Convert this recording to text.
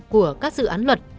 của các dự án luật